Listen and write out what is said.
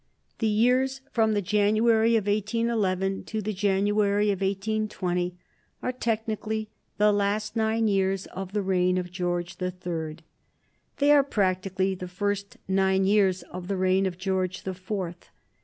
The years from the January of 1811 to the January of 1820 are technically the last nine years of the reign of George the Third; they are practically the first nine years of the reign of George the Fourth.